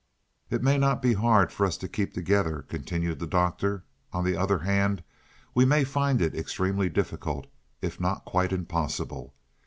"It may not be hard for us to keep together," continued the Doctor. "On the other hand, we may find it extremely difficult, if not quite impossible.